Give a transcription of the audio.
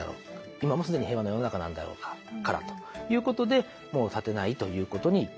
今も既に平和な世の中なんだろうからということでもう建てないということに決めた。